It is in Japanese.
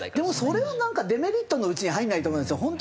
でもそれはなんかデメリットのうちに入らないと思うんですよ。